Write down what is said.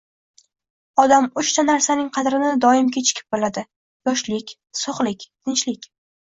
Odam uchta narsaning qadrini doim kechikib biladi. Yoshlik. Sog’lik. Tinchlik.